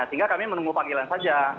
tinggal kami menunggu panggilan saja